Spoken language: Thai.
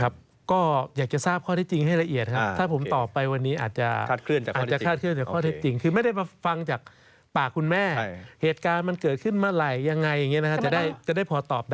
ครับอยากทราบข้อที่จริงให้ละเอียดครับถ้าผมตอบไปวันนี้